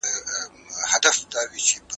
پرته له پوهې پرمختګ ناشونی دی.